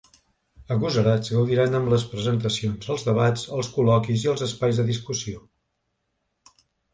Agosarats gaudiran amb les presentacions, els debats, els col·loquis i els espais de discussió.